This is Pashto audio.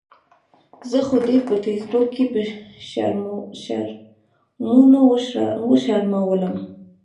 زه خو دې په فیسبوک کې په شرمونو وشرمؤلم